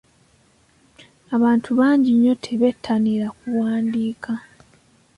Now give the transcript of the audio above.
Abantu bangi nnyo tebettanira kuwandiika.